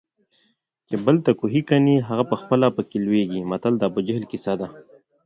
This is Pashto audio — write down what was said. چې بل ته کوهي کني هغه پخپله پکې لویږي متل د ابوجهل کیسه ده